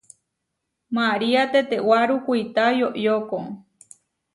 Maria tetewáru kuitá yoyóko.